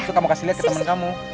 suka mau kasih liat ke temen kamu